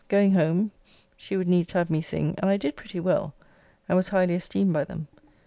Going home, she would needs have me sing, and I did pretty well and was highly esteemed by them.